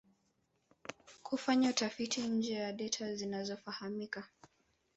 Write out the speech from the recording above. Kufanya utafiti nje ya data zinazofahamika